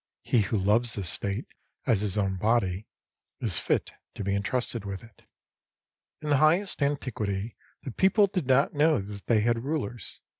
He who loves the State as his own body is fit to be entrusted with it. In the highest antiquity, the people did not know that they had rulers.